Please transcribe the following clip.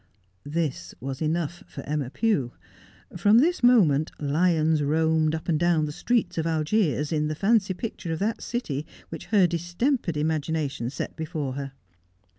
This was enough for Emma Pew. From this moment lions roamed up and down the streets of Algiers in the fancy picture of that city which her distempered imagination set before her.